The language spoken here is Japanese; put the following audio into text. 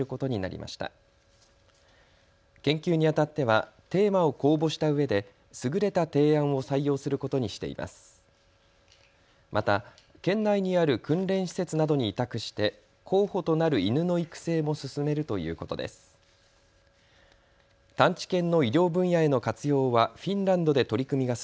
また県内にある訓練施設などに委託して候補となる犬の育成も進めるということです。